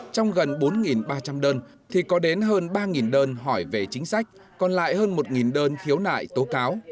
trong gần bốn ba trăm linh đơn thì có đến hơn ba đơn hỏi về chính sách còn lại hơn một đơn khiếu nại tố cáo